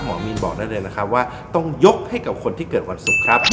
หมอมีนบอกได้เลยนะครับว่าต้องยกให้กับคนที่เกิดวันศุกร์ครับ